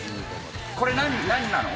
これ何なの？